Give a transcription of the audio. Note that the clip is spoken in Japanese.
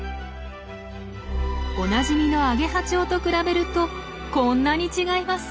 おなじみのアゲハチョウと比べるとこんなに違います。